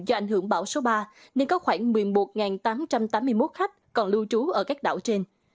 do ảnh hưởng bão số ba nên có khoảng một mươi một tám trăm tám mươi một khách còn lưu trú ở các đảo trên